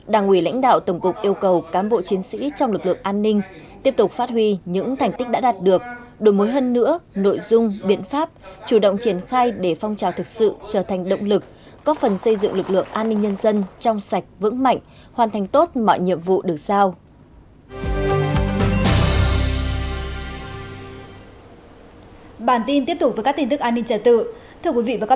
đảng quỳ lãnh đạo tổng cục yêu cầu cám bộ chiến sĩ trong lực lượng an ninh tiếp tục phát huy những thành tích đã đạt được đổi mối hơn nữa nội dung biện pháp chủ động triển khai để phong trào thực sự trở thành động lực có phần xây dựng lực lượng an ninh nhân dân trong sạch vững mạnh hoàn thành tốt mọi nhiệm vụ được sao